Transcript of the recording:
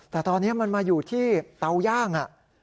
แต่ตอนนี้มันมาอยู่ที่เตาย่าง